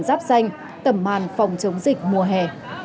giáp xanh tẩm màn phòng chống dịch mùa hè